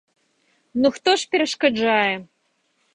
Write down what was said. Ну хто ж перашкаджае?